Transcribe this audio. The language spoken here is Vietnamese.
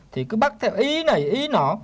thì cứ bắt theo ý này ý nọ